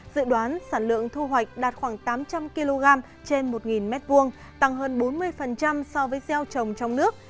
dự đoán sản lượng thu hoạch đạt khoảng tám trăm linh kg trên một m hai tăng hơn bốn mươi so với gieo trồng trong nước